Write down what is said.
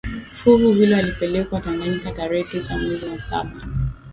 Fuvu hilo lilipelekwa Tanganyika tarehe tisa mwezi wa saba